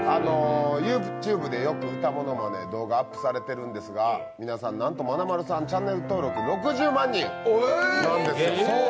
ＹｏｕＴｕｂｅでよく歌ものまねをアップされてるんですが皆さん、なんとまなまるさんチャンネル登録６０万人なんです。